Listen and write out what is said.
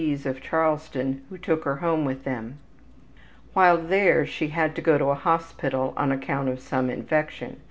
's of Charleston who took her home with them. While there she had to go to a hospital on account of some infection.